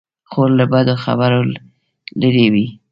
خور له بدو خبرو لیرې وي.